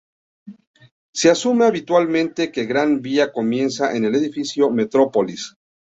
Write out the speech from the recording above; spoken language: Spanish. Se asume habitualmente que Gran Vía comienza en el Edificio Metrópolis.